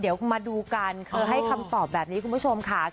เดี๋ยวมาดูกันเธอให้คำตอบแบบนี้คุณผู้ชมค่ะ